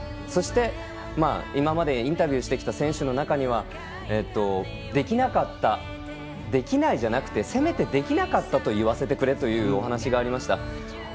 そして、今までインタビューしてきた選手の中にはできないじゃなくてせめて、できなかったと言わせてくれというお話がありました。